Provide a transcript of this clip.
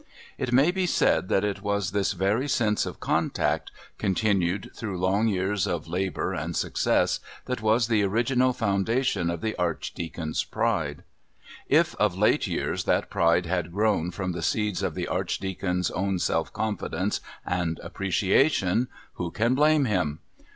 It may be said that it was this very sense of contact, continued through long years of labour and success, that was the original foundation of the Archdeacon's pride. If of late years that pride had grown from the seeds of the Archdeacon's own self confidence and appreciation, who can blame him?